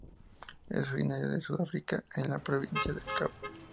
Es originario de Sudáfrica eb la Provincia del Cabo.